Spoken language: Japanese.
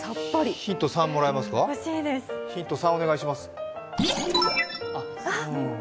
ヒント３お願いします。